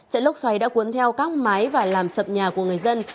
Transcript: trận lốc xoáy đã cuốn theo các mái và làm sập nhà của người dân